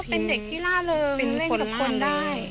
เป็นเด็กที่ล่าเริงเล่นกับคนได้